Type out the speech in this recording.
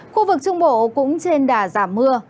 khu vực trung bộ cũng trên đà giảm mưa